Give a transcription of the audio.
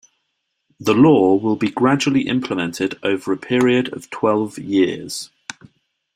The law will be gradually implemented over a period of twelve years.